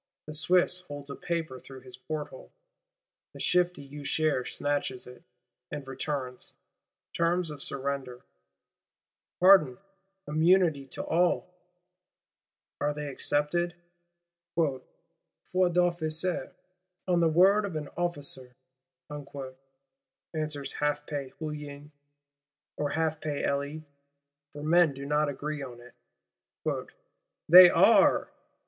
The Swiss holds a paper through his porthole; the shifty Usher snatches it, and returns. Terms of surrender: Pardon, immunity to all! Are they accepted?—'Foi d'officier, On the word of an officer,' answers half pay Hulin,—or half pay Elie, for men do not agree on it, 'they are!